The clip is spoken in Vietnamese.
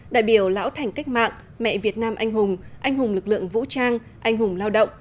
đại biểu lão thành cách mạng mẹ việt nam anh hùng anh hùng lực lượng vũ trang anh hùng lao động